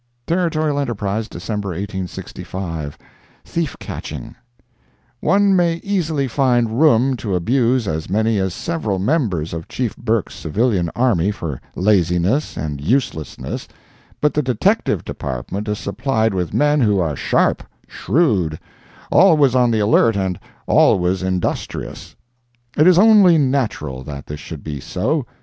Territorial Enterprise, December 1865 THIEF CATCHING One may easily find room to abuse as many as several members of Chief Burke's civilian army for laziness and uselessness, but the detective department is supplied with men who are sharp, shrewd, always on the alert and always industrious. It is only natural that this should be so.